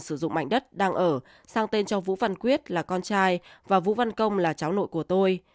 sử dụng mảnh đất đang ở sang tên cho vũ văn quyết là con trai và vũ văn công là cháu nội của tôi